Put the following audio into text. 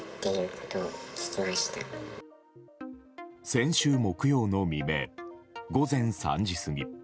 先週木曜の未明午前３時過ぎ。